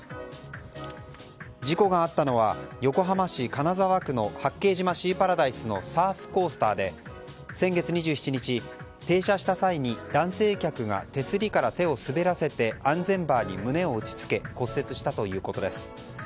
事故があったのは横浜市金沢区の八景島シーパラダイスのサーフコースターで、先月２７日停車した際に男性客が手すりから手を滑らせて安全バーに胸を打ち付け骨折したということです。